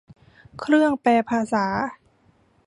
เครื่องแปลภาษา